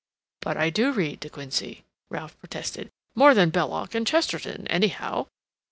"But I do read De Quincey," Ralph protested, "more than Belloc and Chesterton, anyhow."